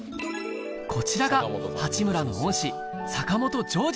こちらが八村の恩師